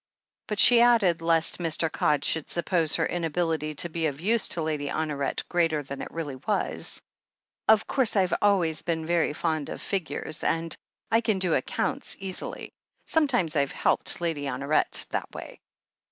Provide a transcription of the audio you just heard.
But she added, lest Mr. Codd should suppose her inability to be of use to Lady Honoret greater than it really was : "Of course, I've always been very fond of figures, and I can do accounts easily. Sometimes I've helped Lady Honoret that way."